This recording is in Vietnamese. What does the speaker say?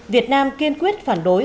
việt nam kiên quyết phản đối